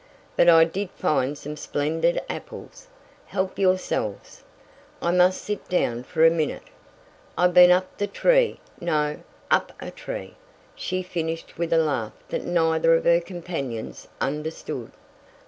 "But I did find some splendid apples. Help yourselves. I must sit down for a minute. I've been up the tree no, up a tree," she finished with a laugh that neither of her companions understood.